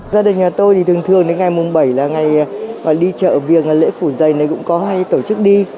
gia đình nhà tôi thì thường thường đến ngày mùng bảy là ngày đi chợ việc là lễ phủ dày này cũng có hay tổ chức đi